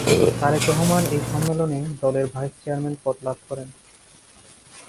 তারেক রহমান এই সম্মেলনে দলের ভাইস চেয়ারম্যানের পদ লাভ করেন।